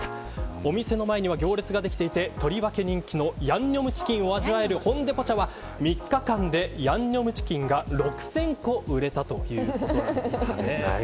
お店の前には行列ができていてとりわけ人気のヤンニョムチキンを味わえるホンデポチャは３日間でヤンニョムチキンが６０００個売れたということなんですね。